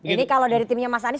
ini kalau dari timnya mas anies